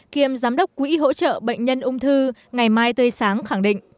kiêm giám đốc quỹ hỗ trợ bệnh nhân ung thư ngày mai tươi sáng khẳng định